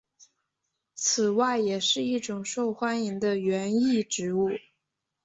此外也是一种受欢迎的园艺植物。